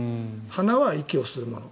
鼻は息を吸うもの。